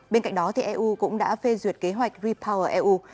bên cạnh đó eu cũng đã phê duyệt kế hoạch repower eu